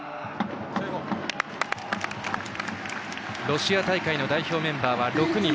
ロシア大会の代表メンバーは６人。